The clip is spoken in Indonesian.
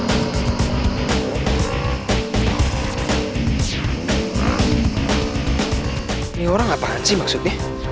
ini orang apaan sih maksudnya